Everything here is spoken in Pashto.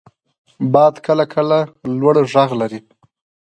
• باد کله کله لوړ ږغ لري.